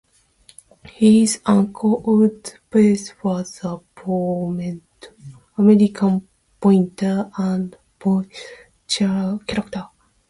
His uncle, Waldo Peirce, was a prominent American painter and bohemian character.